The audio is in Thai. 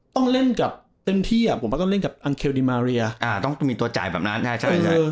ต้องเล่นกับเต็มที่อ่ะผมว่าต้องเล่นกับอังเคลดิมาเรียต้องมีตัวจ่ายแบบนั้น